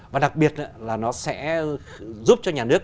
và đặc biệt là nó sẽ giúp cho nhà nước